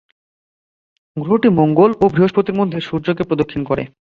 গ্রহটি মঙ্গল ও বৃহস্পতির মধ্যে সূর্যকে প্রদক্ষিণ করে।